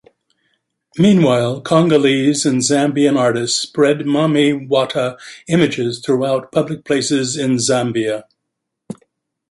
Meanwhile, Congolese and Zambian artists spread Mami Wata images throughout public places in Zambia.